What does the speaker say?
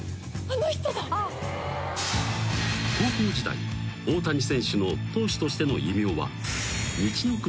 ［高校時代大谷選手の投手としての異名は］